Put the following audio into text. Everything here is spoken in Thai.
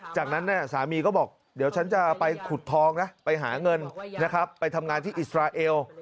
จากนั้นสามีก็บอกเดี๋ยวฉันจะไปขุดทองนะไปหาเงินนะครับไปทำงานที่อิสราเอล